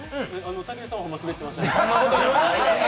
たけるさんはホンマ、スベってました。